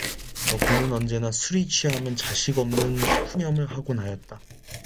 덕호는 언제나 술이 취하면 자식 없는 푸념을 하곤 하였다.